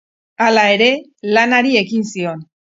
Hala ere, lanari ekin zion.